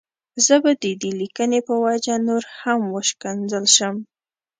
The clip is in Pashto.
زه به د دې ليکنې په وجه نور هم وشکنځل شم.